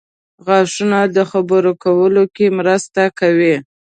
• غاښونه د خبرو کولو کې مرسته کوي.